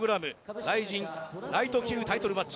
ＲＩＺＩＮライト級タイトルマッチ。